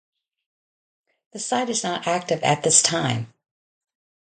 The site is not active at this time.